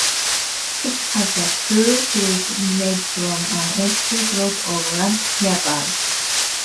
It has a school field made from an empty plot of land nearby.